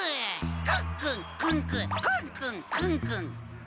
クンクンクンクンクンクンクンクン。